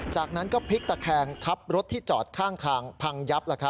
จากนั้นก็พลิกตะแคงทับรถที่จอดข้างทางพังยับ